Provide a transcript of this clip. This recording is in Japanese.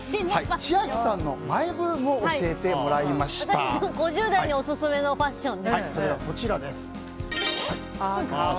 千秋さんのマイブームを５０代にオススメのそれがこちらです。